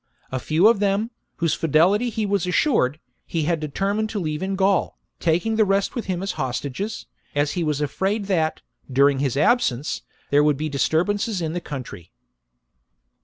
A few of them, of whose fidelity he was assured, he had determined to leave in Gaul, taking the rest with him as hostages, as he was afraid that, during his absence, there would be disturb ances in the country.